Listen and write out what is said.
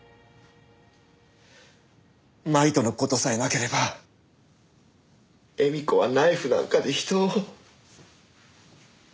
麻衣との事さえなければ絵美子はナイフなんかで人を。